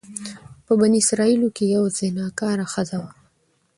په بني اسرائيلو کي يوه زناکاره ښځه وه،